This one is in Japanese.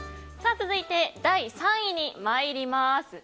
続いて第３位に参ります。